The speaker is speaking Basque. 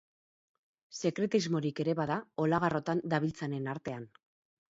Sekretismorik ere bada olagarrotan dabiltzanen artean.